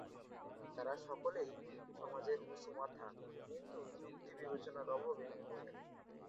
তারা সকলেই সমাজের উঁচু মাথা কিন্তু যুক্তি বিবেচনার অভাবে ভোগেন।